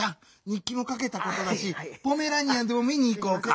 にっきもかけたことだしポメラニアンでも見にいこうか？